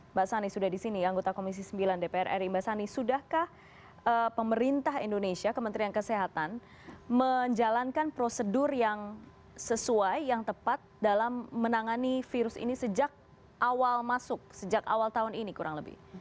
mbak sani sudah di sini anggota komisi sembilan dpr ri mbak sani sudahkah pemerintah indonesia kementerian kesehatan menjalankan prosedur yang sesuai yang tepat dalam menangani virus ini sejak awal masuk sejak awal tahun ini kurang lebih